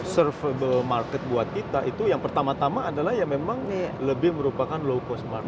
survable market buat kita itu yang pertama tama adalah ya memang lebih merupakan low cost market